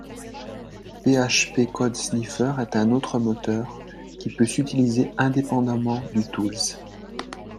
PHP Code Sniffer un autre moteur, qui peut s'utiliser indépendement du Tools